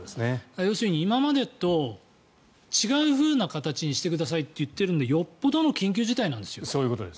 要するに今までと違うふうな形にしてくださいと言っているのでよっぽどの緊急事態なんですよ。